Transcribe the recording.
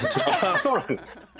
そうなんですか。